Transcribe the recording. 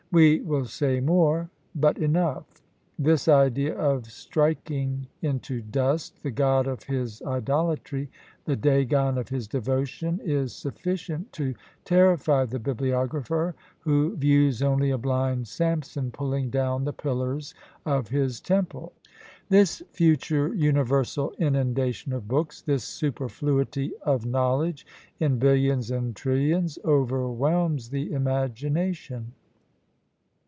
We will say more " but enough! This idea of striking into dust "the god of his idolatry," the Dagon of his devotion, is sufficient to terrify the bibliographer, who views only a blind Samson pulling down the pillars of his temple! This future universal inundation of books, this superfluity of knowledge, in billions and trillions, overwhelms the imaginnation!